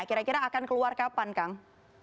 kira kira akan keluar kapan kang